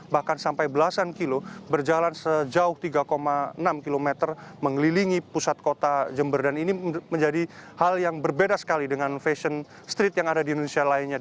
bahkan sampai belasan kilo berjalan sejauh tiga enam km mengelilingi pusat kota jember dan ini menjadi hal yang berbeda sekali dengan fashion street yang ada di indonesia lainnya